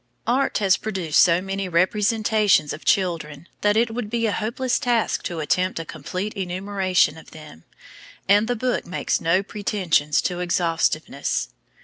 Art has produced so many representations of children that it would be a hopeless task to attempt a complete enumeration of them, and the book makes no pretensions to exhaustiveness.